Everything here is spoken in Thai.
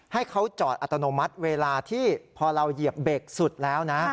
ให้เขาจอดอัตโนมัติเวลาที่พอเราเหยียบเบรกสุดแล้วนะ